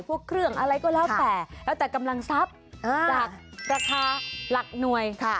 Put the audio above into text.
พวกเครื่องอะไรก็เล่าแต่